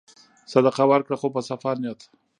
صدقه ورکړه خو په صفا نیت.